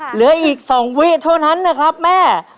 เหลืออีก๒วิเท่านั้นนะครับแม่